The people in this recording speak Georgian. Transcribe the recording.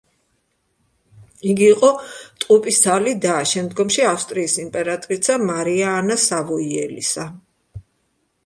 იგი იყო ტყუპისცალი და, შემდგომში ავსტრიის იმპერატრიცა მარია ანა სავოიელისა.